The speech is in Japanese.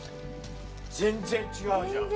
全然違うじゃん。